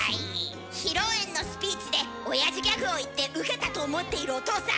披露宴のスピーチでおやじギャグを言ってウケたと思っているおとうさん。